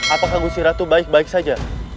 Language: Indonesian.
apakah gusi ratu baik baik saja